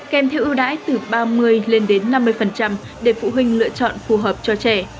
kèm theo ưu đãi từ ba mươi lên đến năm mươi để phụ huynh lựa chọn phù hợp cho trẻ